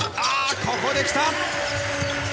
ここできた。